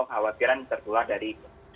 kekhawatiran tertulah dari